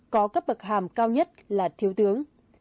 có cấp bậc hàm cao nhất là thiếu tướng